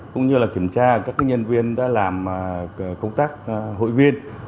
cũng như kiểm tra các nhân viên đã làm công tác hội viên